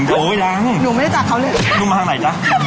ป้ามังครบขออนุญาตนะคะ